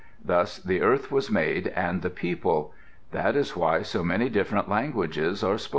Thus the earth was made and the people. That is why so many different languages are spoken.